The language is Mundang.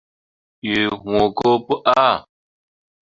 Ɗii wũũ ko pu aa.